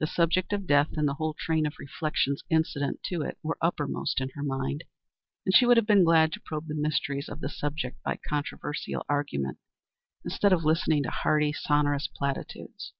The subject of death, and the whole train of reflections incident to it, were uppermost in her mind, and she would have been glad to probe the mysteries of the subject by controversial argument, instead of listening to hearty, sonorous platitudes.